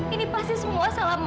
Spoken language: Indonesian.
ini pasti semua salah mama